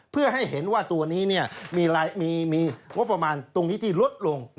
เพื่อให้เห็นว่าตัวนี้มีงบประมาณตรงนี้ที่ลดลง